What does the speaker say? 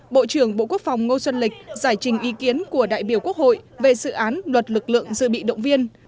bộ trưởng bộ quốc phòng ngô xuân lịch giải trình ý kiến của đại biểu quốc hội về dự án luật lực lượng dự bị động viên